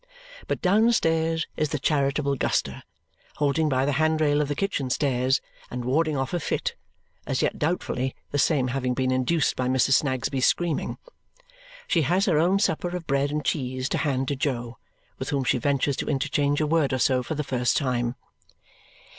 But downstairs is the charitable Guster, holding by the handrail of the kitchen stairs and warding off a fit, as yet doubtfully, the same having been induced by Mrs. Snagsby's screaming. She has her own supper of bread and cheese to hand to Jo, with whom she ventures to interchange a word or so for the first time.